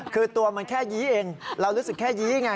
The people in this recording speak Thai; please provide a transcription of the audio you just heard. คือตัวมันแค่ยี้เองเรารู้สึกแค่ยี้ไง